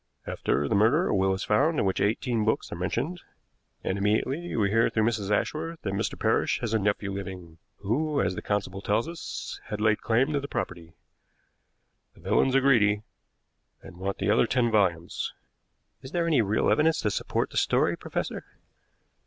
After the murder a will is found in which eighteen books are mentioned, and immediately we hear through Mrs. Ashworth that Mr. Parrish has a nephew living, who, as the constable tells us, had laid claim to the property. The villains are greedy, and want the other ten volumes." "Is there any real evidence to support the story, professor?"